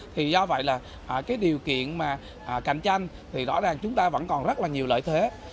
thì do vậy là cái điều kiện mà cạnh tranh thì rõ ràng chúng ta vẫn còn rất là nhiều lợi thế